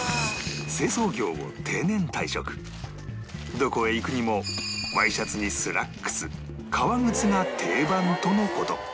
どこへ行くにもワイシャツにスラックス革靴が定番との事